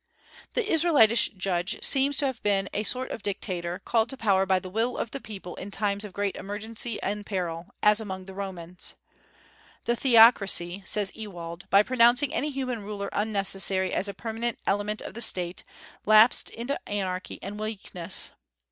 The Israelitish Judge seems to have been a sort of dictator, called to power by the will of the people in times of great emergency and peril, as among the Romans. "The Theocracy," says Ewald, "by pronouncing any human ruler unnecessary as a permanent element of the State, lapsed into anarchy and weakness.